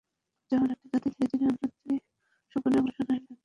যেমন একটি জাতি ধীরে ধীরে উন্নতি-সোপানে অগ্রসর হয়, ব্যক্তিকেও সেইরূপ করিতে হয়।